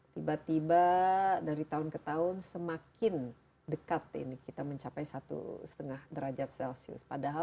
tiba tiba dari tahun ke tahun semakin dekat ini kita mencapai satu setengah derajat celcius padahal